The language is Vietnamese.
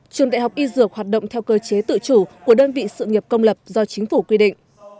trường đại học y dược hoạt động theo cơ chế tự chủ của đơn vị sự nghiệp công lập do chính phủ quy định